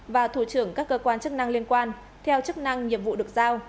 và thủ trưởng các cơ quan chức năng liên quan theo chức năng nhiệm vụ được giao